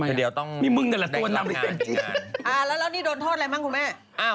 แล้วนี่โดนถ้อนอะไรบ้างคุณแม่